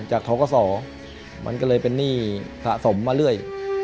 ๑๕๐๐๐จากท้องกระส่อมันก็เลยเป็นหนี้สะสมมาเรื่อย